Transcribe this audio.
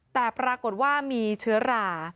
แต่ปรากฏว่ามีเชื้อรา